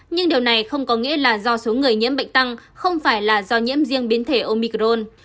nhưng điều này không có nghĩa là do số người nhiễm bệnh tăng không phải là do nhiễm riêng biến thể omicron